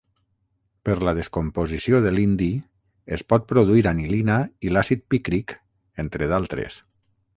Per la descomposició de l'indi es pot produir anilina i l'àcid pícric, entre d'altres.